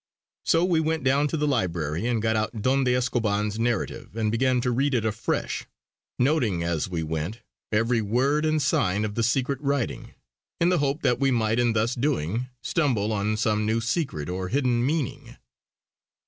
So we went down to the library and got out Don de Escoban's narrative and began to read it afresh, noting as we went every word and sign of the secret writing, in the hope that we might in thus doing stumble on some new secret or hidden meaning.